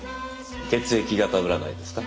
血液型占いですか？